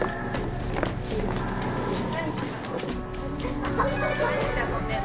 ・何してたの？